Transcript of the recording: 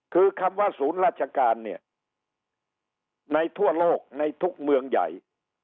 คือคำว่าศูนย์ราชการเนี่ยในทั่วโลกในทุกเมืองใหญ่